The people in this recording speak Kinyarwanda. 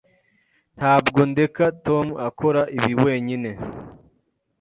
Ntabwo ndeka Tom akora ibi wenyine.